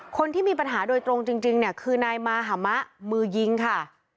คนที่มีปัญหาโดยตรงจริงเนี่ยคือนายมาหามะมือยิงค่ะ